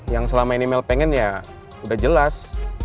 yang selama ini mell pengen ya udah jelas